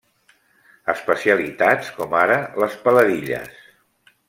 Especialitats com ara les peladilles.